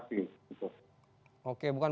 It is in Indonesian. prasaran angkutan oke bukan